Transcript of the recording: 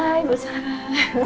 hai ibu sarah